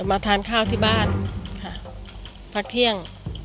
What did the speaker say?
มาทานข้าวที่บ้านค่ะพักเที่ยง